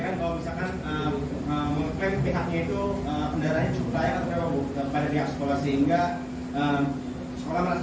kalau kami tidak yakin kami tidak memerapatkan di sini mas